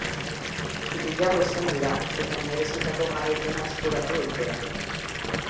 Gehiago izan dira eta merezitako garaipena eskuratu dute.